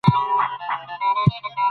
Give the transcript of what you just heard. ریښتینی مارکیټ، ریښتینې تجربې